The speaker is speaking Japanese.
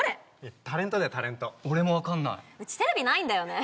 タレントだよタレント俺も分かんないうちテレビないんだよね